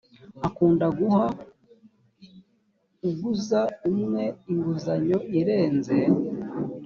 akunda guha uguza umwe inguzanyo irenze